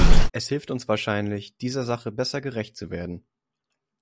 Es hilft uns wahrscheinlich, dieser Sache besser gerecht zu werden.